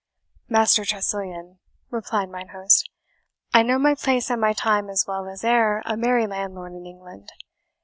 "Master Tressilian," replied mine host, "I know my place and my time as well as e'er a merry landlord in England.